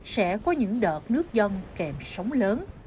sẽ có những đợt nước dân kèm sóng lớn